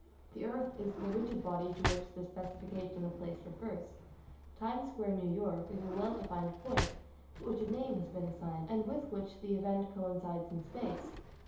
The earth is the rigid body to which the specification of place refers; " Times Square, New York," is a well defined point, to which a name has been assigned, and with which the event coincides in space.